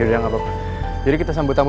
saya kasih kasih sedikit buat meka itu